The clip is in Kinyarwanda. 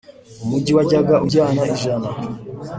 umugi wajyaga ujyana ijana,